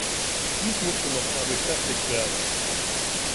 Dies musste noch einmal bekräftigt werden.